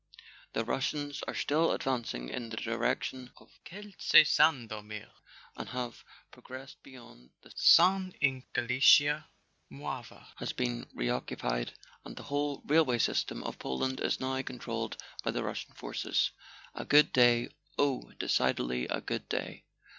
The Russians are still advancing in the direction of Kielce Sandomir and have progressed beyond the San in Galicia. Mlawa has been reoccupied, and the whole railway system of Poland is now controlled by the Russian forces." A good day—oh, decidedly a good day.